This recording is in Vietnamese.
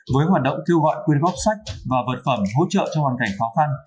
với hoạt động kêu gọi quyên góp sách và vật phẩm hỗ trợ cho hoàn cảnh khó khăn